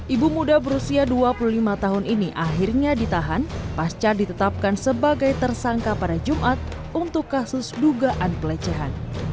ibu muda berusia dua puluh lima tahun ini akhirnya ditahan pasca ditetapkan sebagai tersangka pada jumat untuk kasus dugaan pelecehan